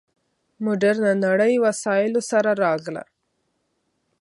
مډرنه نړۍ وسایلو سره راغله.